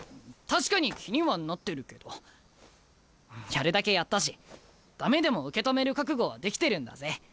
確かに気にはなってるけどやるだけやったし駄目でも受け止める覚悟はできてるんだぜ。